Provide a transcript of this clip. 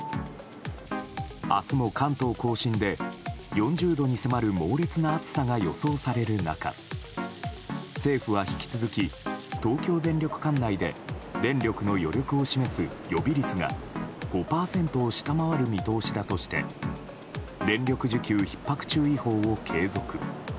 明日も関東・甲信で４０度に迫る猛烈な暑さが予想される中政府は引き続き、東京電力管内で電力の余力を示す予備率が５％を下回る見通しだとして電力需給ひっ迫注意報を継続。